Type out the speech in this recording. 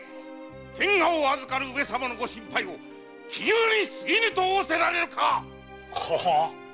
天下をあずかる上様のご心配を杞憂に過ぎぬとおおせられるか⁉ははっ。